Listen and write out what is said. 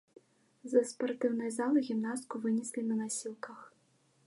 З спартыўнай залы гімнастку вынеслі на насілках.